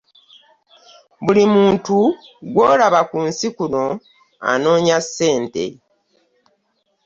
Buli muntu gw'olaba ku nsi kuno anoonya ssente.